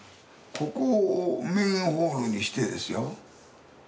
ここをメインホールにしてですよ